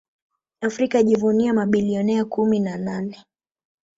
Afrika yajivunia mabilionea kumi na nane